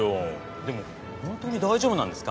でも本当に大丈夫なんですか？